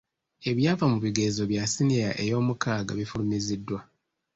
Ebyava mu bigezo bya siniya eyomukaaga bifulumiziddwa.